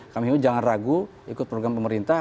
kami ingin jangan ragu ikut program pemerintah